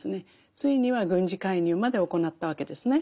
ついには軍事介入まで行ったわけですね。